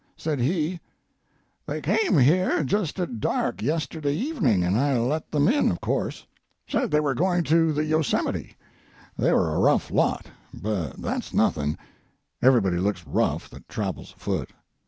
Said he: "They came here just at dark yesterday evening, and I let them in of course. Said they were going to the Yosemite. They were a rough lot, but that's nothing; everybody looks rough that travels afoot.